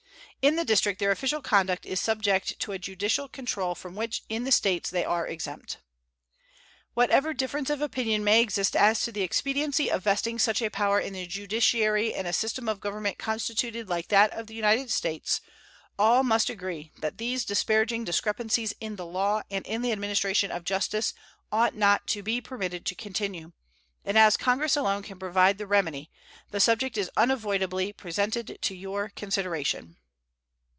In the District their official conduct is subject to a judicial control from which in the States they are exempt. Whatever difference of opinion may exist as to the expediency of vesting such a power in the judiciary in a system of government constituted like that of the United States, all must agree that these disparaging discrepancies in the law and in the administration of justice ought not to he permitted to continue; and as Congress alone can provide the remedy, the subject is unavoidably presented to your consideration.